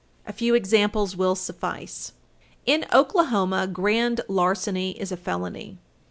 A few examples will suffice. In Oklahoma, grand larceny is a felony.